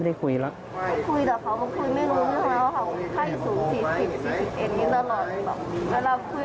เวลาคุยเขาก็เพิพากัดในค่าย